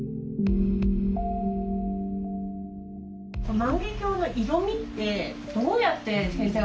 万華鏡の色みってどうやって先生は？